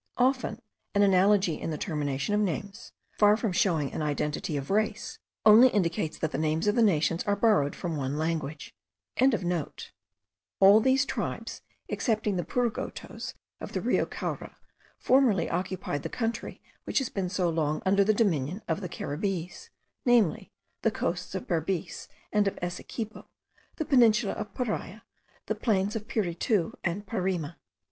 Often an analogy in the termination of names, far from showing an identity of race, only indicates that the names of the nations are borrowed from one language.) All these tribes, excepting the Purugotos of the Rio Caura, formerly occupied the country which has been so long under the dominion of the Caribbees; namely, the coasts of Berbice and of Essequibo, the peninsula of Paria, the plains of Piritu and Parima.